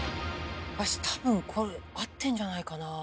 私多分これ合ってんじゃないかなあ。